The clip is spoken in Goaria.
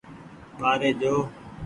ٻآري جو۔